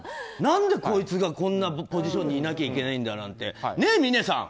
何でこいつがこんなポジションにいなきゃいけないんだってね。